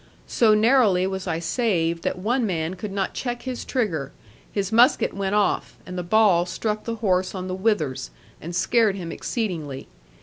So narrowly was I saved that one man could not check his trigger: his musket went off, and the ball struck the horse on the withers, and scared him exceedingly.